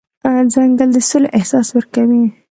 ځنګل د سولې احساس ورکوي.